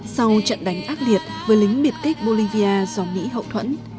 sau trận đánh ác liệt với lính biệt kích bolivia do mỹ hậu thuẫn